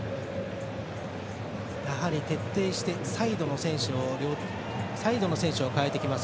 やはり徹底してサイドの選手を代えてきます